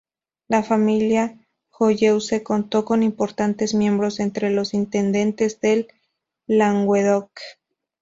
La familia Joyeuse contó con importantes miembros entre los intendentes del Languedoc.